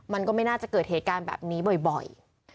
มันก็ไม่น่าจะเกิดเหตุการณ์แบบนี้บ่อย